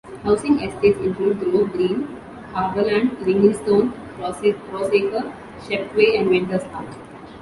Housing estates include Grove Green, Harbourland, Ringlestone, Roseacre, Shepway and Vinters Park.